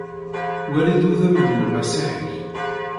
Wali-d udem n lmasiḥ-ik!